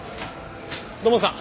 土門さん。